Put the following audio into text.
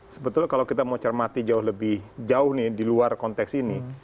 sebetulnya kalau kita mau cermati jauh lebih jauh nih di luar konteks ini